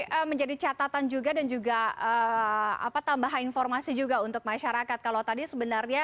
ini menjadi catatan juga dan juga tambah informasi juga untuk masyarakat kalau teman teman yang berada di lantai ini